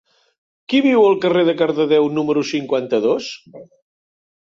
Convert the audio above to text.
Qui viu al carrer de Cardedeu número cinquanta-dos?